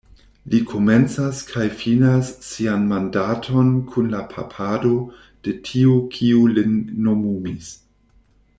Li komencas kaj finas sian mandaton kun la papado de tiu kiu lin nomumis.